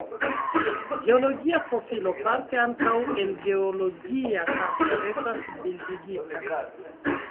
Geologia profilo parte ankaŭ en geologia karto estas bildigita.